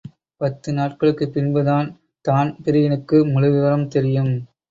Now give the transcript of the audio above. பத்து நாட்களுக்குப் பின்பு தான்தான்பிரீனுக்கு முழுவிவரம் தெரியும்.